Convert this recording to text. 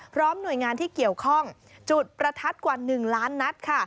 พร้อมหน่วยงานที่เกี่ยวข้องจุดประทัดกว่า๑ล้านนัดค่ะ